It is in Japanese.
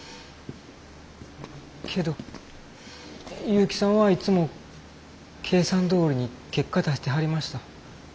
けど結城さんはいっつも計算どおりに結果出してはりました。